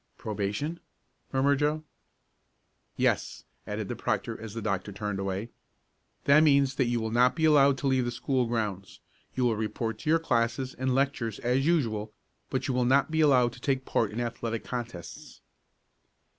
"Probation?" murmured Joe. "Yes," added the proctor as the doctor turned away. "That means that you will not be allowed to leave the school grounds. You will report to your classes and lectures as usual, but you will not be allowed to take part in athletic contests."